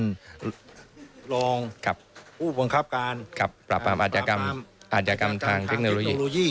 ครับลองครับผู้บังคับการครับอาจารย์กรรมอาจารย์กรรมทางเทคโนโลยี